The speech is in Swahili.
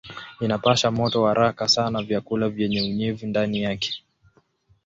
Inapasha moto haraka sana vyakula vyenye unyevu ndani yake.